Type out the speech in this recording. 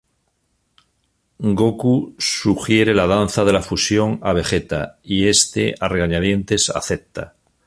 Goku sugiere la Danza de la Fusión a Vegeta y este a regañadientes acepta.